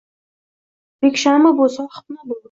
Rikshami bu, sohibmi bu